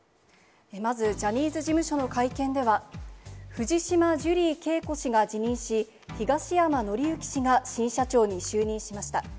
まず、ジャニーズ事務所の会見では、藤島ジュリー景子氏が辞任し、東山紀之氏が新社長に就任しました。